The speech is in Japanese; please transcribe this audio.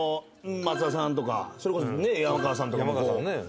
松田さんとかそれこそ山川さんとかも。